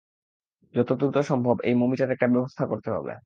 যত দ্রুত সম্ভব এই মমিটার একটা ব্যবস্থা করতে হবে!